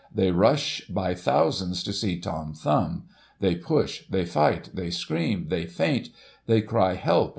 They rush by thousands to see Tom Thumb. They push — they fight — they scream — they faint — they cry * Help